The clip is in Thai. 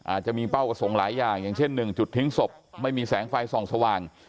อาจจะมีเป้าประสงค์หลายอย่างอย่างเช่น๑จุดทิ้งศพไม่มีแสงไฟส่องสว่าง